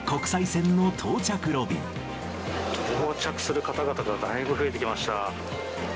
到着する方々が、だいぶ増えてきました。